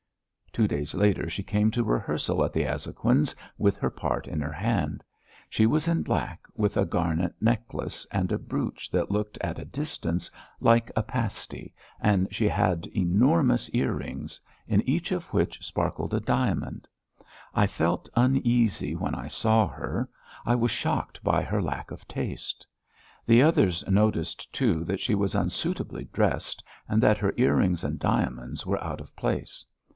Two days later she came to rehearsal at the Azhoguins' with her part in her hand. She was in black, with a garnet necklace, and a brooch that looked at a distance like a pasty, and she had enormous earrings, in each of which sparkled a diamond. I felt uneasy when I saw her; I was shocked by her lack of taste. The others noticed too that she was unsuitably dressed and that her earrings and diamonds were out of place.